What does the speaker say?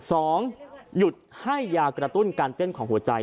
สองหยุดให้ยากระตุ้นการเต้นของหัวใจ